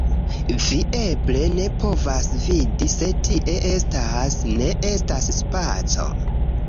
Vi eble ne povas vidi, sed tie estas… Ne estas spaco.